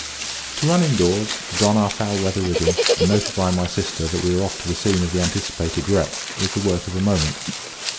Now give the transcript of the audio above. To run indoors, don our foul weather rigging, and notify my sister that we were off to the scene of the anticipated wreck, was the work of a moment.